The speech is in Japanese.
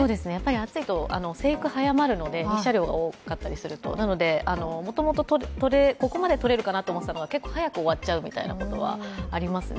暑いと成育が早まるのでなので、もともとここまでとれるかなと思っていたものが結構早く終わっちゃうみたいなことはありますね。